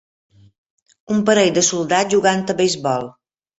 Un parell de soldats jugant a beisbol.